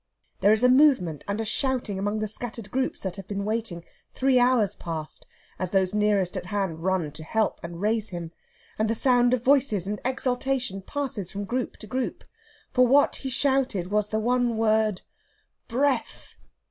There is a movement and a shouting among the scattered groups that have been waiting, three hours past, as those nearest at hand run to help and raise him; and the sound of voices and exultation passes from group to group. For what he shouted was the one word "Breath!"